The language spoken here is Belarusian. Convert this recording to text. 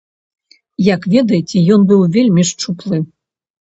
Як ведаеце, ён быў вельмі шчуплы.